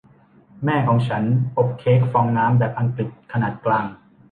แม่ของฉันอบเค้กฟองน้ำแบบอังกฤษขนาดกลาง